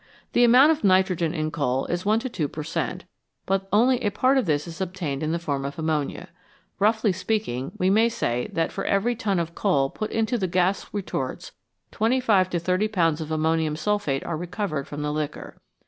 The amount of nitrogen in coal is 1 to 2 per cent., but only a part of this is obtained in the form of ammonia. Roughly speaking, we may say that for every ton of coal put into the gas retorts 25 to 30 Ibs. of ammonium sulphate are recovered from the liquor.